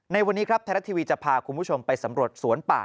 ในวันนี้ครับไทยรัฐทีวีจะพาคุณผู้ชมไปสำรวจสวนป่า